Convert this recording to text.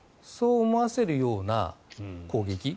そう思わせるような攻撃。